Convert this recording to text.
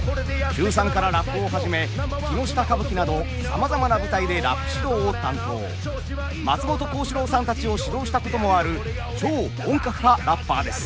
中３からラップを始め木ノ下歌舞伎などさまざまな舞台でラップ指導を担当松本幸四郎さんたちを指導したこともある超本格派ラッパーです。